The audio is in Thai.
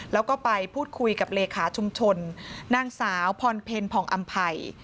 แล้วก็ไปพูดคุยกับเลขาชุมชนนางสาวพรเพลผ่องอำภัย